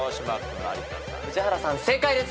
宇治原さん正解です。